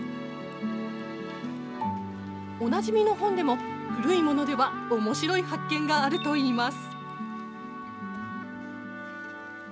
おなじみの本でも、古いものでは、おもしろい発見があるといいます。